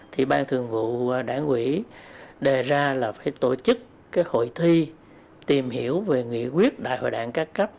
thì ban thường vụ đảng quỹ đề ra là phải tổ chức cái hội thi tìm hiểu về nghị quyết đại hội đảng các cấp